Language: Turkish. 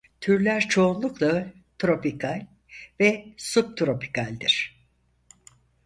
Türler çoğunlukla tropikal ve subtropikaldir.